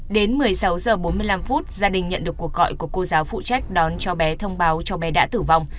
đến một mươi sáu h bốn mươi năm gia đình nhận được cuộc gọi của cô giáo phụ trách đón cháu bé thông báo cho bé đã tử vong